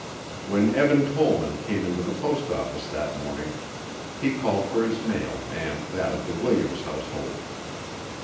When Eben Tollman came into the post office that morning, he called for his mail and that of the Williams household.